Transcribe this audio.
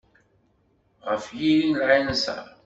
Ɣef yiri n lɛinṣer.